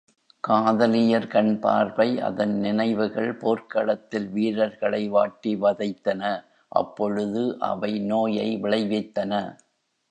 காதலியர் கண் பார்வை அதன் நினைவுகள் போர்க் களத்தில் வீரர்களை வாட்டி வதைத்தன அப்பொழுது அவை நோயை விளைவித்தன.